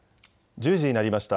１０時になりました。